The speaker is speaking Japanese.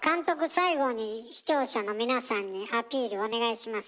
最後に視聴者の皆さんにアピールお願いします。